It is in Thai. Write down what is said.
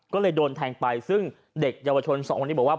ก็เลยโดนแทงไปซึ่งเด็กเยาวชนสองคนนี้บอกว่า